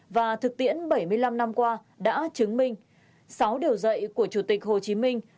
và thực tiễn bảy mươi năm năm qua đã chứng minh sáu điều dạy của chủ tịch hồ chí minh